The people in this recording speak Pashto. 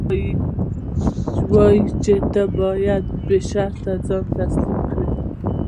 حکومت وايي چې ته باید بې شرطه ځان تسلیم کړې.